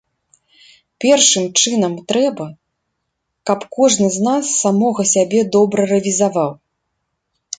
Першым чынам трэба, каб кожны з нас самога сябе добра рэвізаваў.